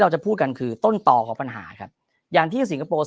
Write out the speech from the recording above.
จะพูดกันคือต้นต่อของปัญหาครับอย่างที่สิงคโปร์